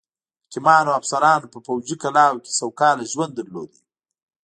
حاکمانو او افسرانو په پوځي کلاوو کې سوکاله ژوند درلوده.